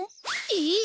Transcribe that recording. えっ？